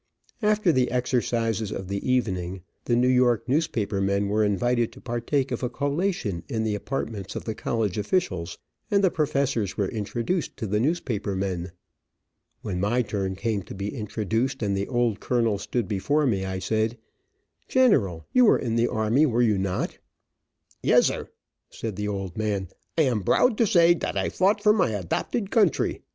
After the exercises of the evening, the New York newspaper men were invited to partake of a collation in the apartments of the college officials, and the professors were introduced to the newspaper men. When my turn came to be introduced, and the old colonel stood before me, I said: "General, you were in the army, were you not?" "Yezzer!" said the old man. "I am broud to say dot I fought for my adopted country.